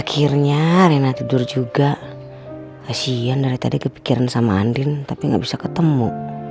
akhirnya rena tidur juga kasihan dari tadi kepikiran sama andin tapi nggak bisa ketemu